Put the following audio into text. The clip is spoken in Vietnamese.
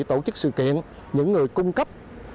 tổ chức sự kiện những người cung cấp